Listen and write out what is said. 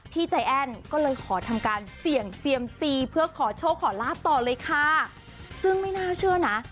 ใจแอ้นก็เลยขอทำการเสี่ยงเซียมซีเพื่อขอโชคขอลาบต่อเลยค่ะซึ่งไม่น่าเชื่อนะ